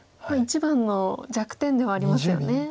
一番の弱点ではありますよね。